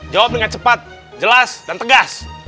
jawab dengan cepat jelas dan tegas